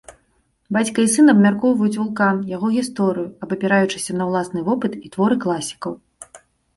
Бацька і сын абмяркоўваюць вулкан, яго гісторыю, абапіраючыся на ўласны вопыт і творы класікаў.